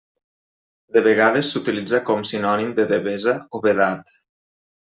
De vegades s'utilitza com sinònim de devesa o vedat.